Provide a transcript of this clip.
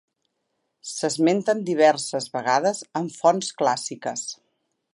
S'esmenten diverses vegades en fonts clàssiques.